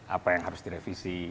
apa yang harus direvisi